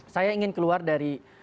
saya ingin keluar dari